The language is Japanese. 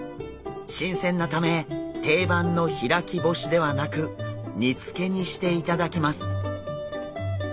新鮮なため定番の開き干しではなく煮付けにしていただきます。